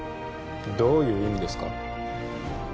どういう意味ですか？